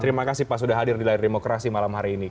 terima kasih pak sudah hadir di layar demokrasi malam hari ini